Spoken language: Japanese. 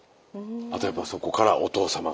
あとやっぱそこからお父様が。